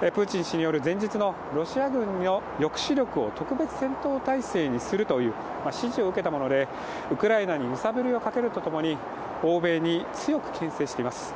プーチン氏による前日のロシア軍の抑止力を特別戦闘態勢にする指示を受けたもので、ウクライナに揺さぶりをかけるとともに、欧米に強くけん制しています。